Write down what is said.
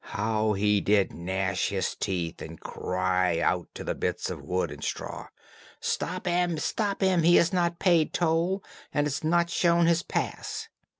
How he did gnash his teeth and cry out to the bits of wood and straw, "Stop him, stop him; he has not paid toll, and has not shown his pass."